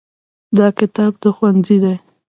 دا کتاب د ښوونځي دی.